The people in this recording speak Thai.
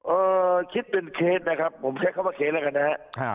เอ่อคิดเป็นเคสนะครับผมเช็คเข้ามาเคสแล้วกันนะฮะ